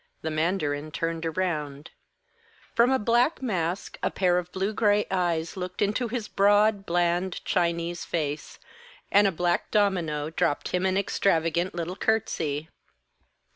The mandarin turned round. From a black mask, a pair of blue gray eyes looked into his broad, bland Chinese face; and a black domino dropped him an extravagant little curtsey.